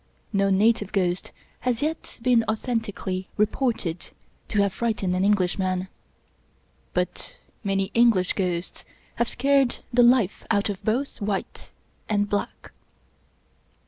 No native ghost has yet been authentically 9 English Mystery Stories reported to have frightened an Englishman; but many English ghosts have scared the life out of both white and black.